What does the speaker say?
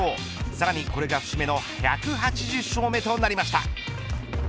さらにこれが節目の１８０勝目となりました。